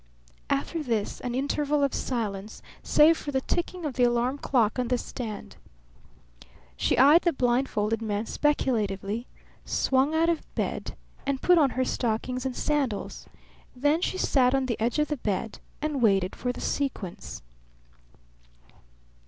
After this an interval of silence, save for the ticking of the alarm clock on the stand. She eyed the blindfolded men speculatively, swung out of bed, and put on her stockings and sandals; then she sat on the edge of the bed and waited for the sequence.